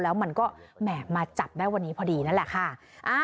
แล้วมันก็แหม่มาจับได้วันนี้พอดีนั่นแหละค่ะ